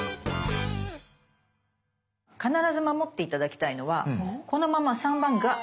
必ず守って頂きたいのはこのまま３番ガー